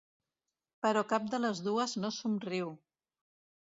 Però cap de les dues no somriu.